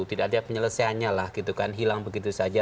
tidak ada penyelesaiannya lah hilang begitu saja